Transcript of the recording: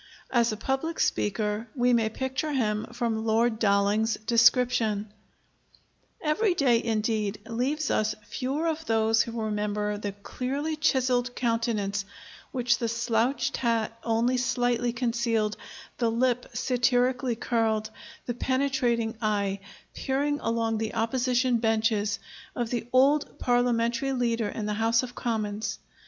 As a public speaker, we may picture him from Lord Dalling's description: "Every day, indeed, leaves us fewer of those who remember the clearly chiseled countenance, which the slouched hat only slightly concealed; the lip satirically curled; the penetrating eye, peering along the Opposition benches, of the old Parliamentary leader in the House of Commons.